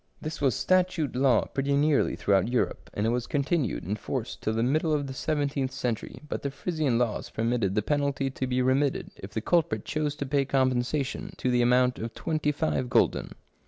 This was statute law pretty nearly throughout Europe, and it continued in force till the middle of the seventeenth century, but the Frisian laws permitted the penalty to be 93 Curiosities of Olden Times remitted if the culprit chose to pay compensation to the amount of twenty five gulden.